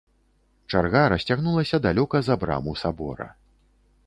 Чарга расцягнулася далёка за браму сабора.